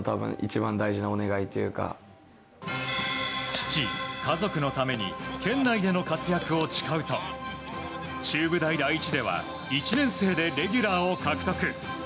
父、家族のために県内での活躍を誓うと中部大第一では１年生でレギュラーを獲得。